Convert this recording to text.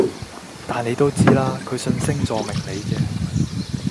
但你都知啦，佢信星座命理嘅